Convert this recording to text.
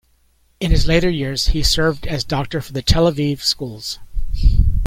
In his later years he served as doctor for the Tel Aviv schools.